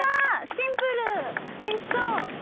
シンプルおいしそう。